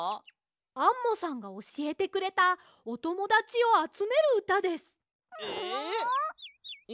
アンモさんがおしえてくれたおともだちをあつめるうたです。え？